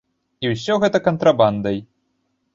І ўсё гэта кантрабандай.